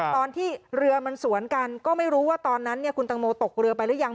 ตอนที่เรือมันสวนกันก็ไม่รู้ว่าตอนนั้นคุณตังโมตกเรือไปหรือยัง